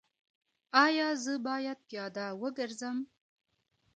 ایا زه باید پیاده وګرځم؟